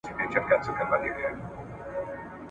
ستا هینداره ونیسم څوک خو به څه نه وايي !.